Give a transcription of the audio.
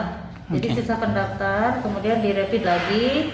jadi sisa pendaftar kemudian direvit lagi